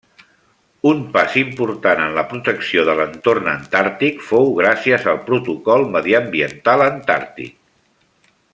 Un pas important en la protecció de l'entorn antàrtic fou gràcies al Protocol Mediambiental Antàrtic.